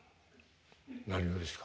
何がですか？